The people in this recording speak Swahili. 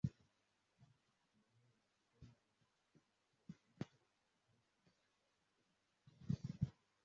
ni yale ya upendo ya kumfuata Yesu Kwa jumla mawazo